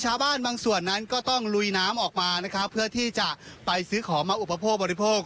ชาวบ้านบางส่วนนั้นก็ต้องลุยน้ำออกมานะครับเพื่อที่จะไปซื้อของมาอุปโภคบริโภค